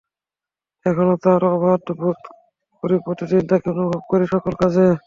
এখনো তাঁর অভাব বোধ করি প্রতিদিন, তাঁকে অনুভব করি সকল কাজে।